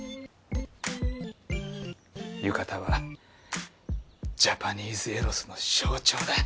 浴衣はジャパニーズエロスの象徴だ。